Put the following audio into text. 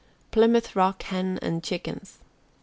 PLYMOUTH ROCK HEN AND CHICKENS.